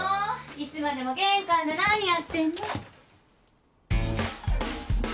いつまでも玄関で何やってんの。